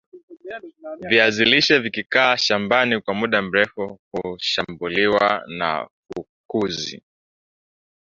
viazi lishe vikikaa shamaban kwa mda meru hushambuliwa na fukuzi